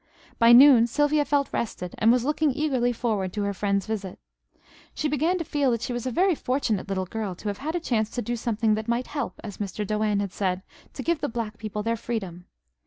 By noon Sylvia felt rested, and was looking eagerly forward to her friends' visit. She began to feel that she was a very fortunate little girl to have had the chance to do something that might help, as Mr. Doane had said, to give the black people their freedom.